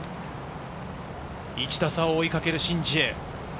１打差を追いかけるシン・ジエ。